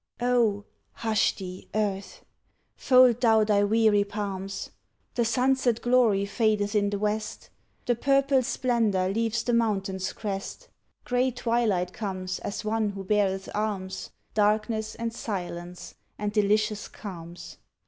Oh, hush thee, Earth! Fold thou thy weary palms! The sunset glory fadeth in the west; The purple splendor leaves the mountain's crest; Gray twilight comes as one who beareth alms, Darkness and silence and delicious calms.